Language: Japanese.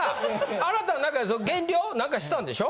あなたは何か減量何かしたんでしょ？